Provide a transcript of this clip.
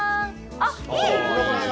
あっ、いい！